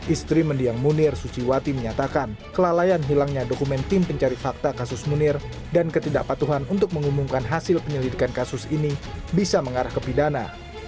istri mendiang munir suciwati menyatakan kelalaian hilangnya dokumen tim pencari fakta kasus munir dan ketidakpatuhan untuk mengumumkan hasil penyelidikan kasus ini bisa mengarah ke pidana